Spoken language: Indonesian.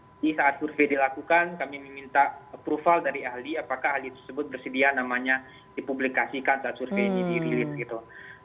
dan di saat survei dilakukan kami meminta approval dari ahli apakah ahli tersebut bersedia namanya dipublikasikan saat survei ini dirilis